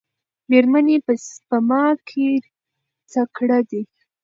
میرمنې په سپما کې تکړه دي.